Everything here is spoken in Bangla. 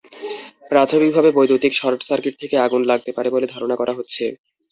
প্রাথমিকভাবে বৈদ্যুতিক সর্ট সার্কিট থেকে আগুন লাগতে পারে বলে ধারণা করা হচ্ছে।